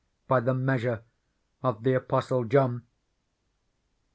By the measure of the Apostle John.